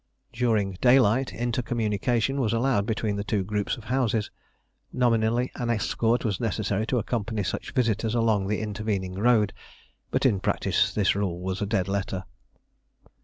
During daylight intercommunication was allowed between the two groups of houses: nominally an escort was necessary to accompany such visitors along the intervening road, but in practice this rule was a dead letter.